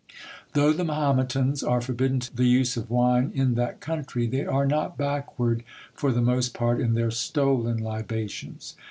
Though the Mahometans are forbidden the use of wine in that country, they are not backward for the most part in their stolen libations.